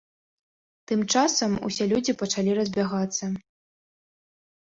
Тым часам усе людзі пачалі разбягацца.